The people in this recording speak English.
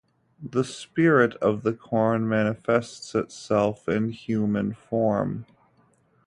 The spirit of the corn manifests itself in human form.